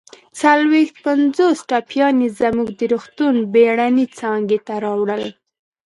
څلويښت پنځوس ټپیان يې زموږ د روغتون بېړنۍ څانګې ته راوړل